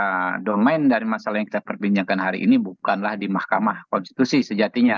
karena domain dari masalah yang kita perbincangkan hari ini bukanlah di mahkamah konstitusi sejatinya